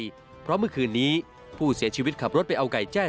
เพราะเมื่อคืนนี้ผู้เสียชีวิตขับรถไปเอาไก่แจ้